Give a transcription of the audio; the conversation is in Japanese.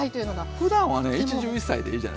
ふだんはね一汁一菜でいいじゃないですか。